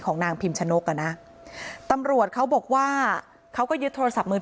นางพิมชนกอ่ะนะตำรวจเขาบอกว่าเขาก็ยึดโทรศัพท์มือ